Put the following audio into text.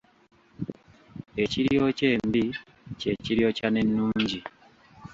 Ekiryokya embi, kye kiryokya n'ennungi ".